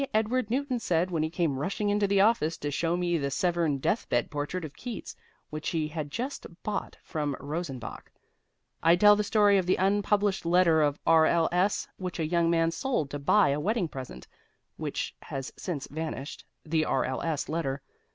Edward Newton said when he came rushing into the office to show me the Severn death bed portrait of Keats, which he had just bought from Rosenbach. I'd tell the story of the unpublished letter of R.L.S. which a young man sold to buy a wedding present, which has since vanished (the R.L.S. letter).